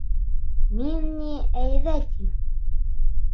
Мин ни, әйҙә, тим.